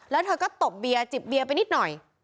แล้วเธอก็ตบเบียร์จิบเบียร์ไปนิดหน่อย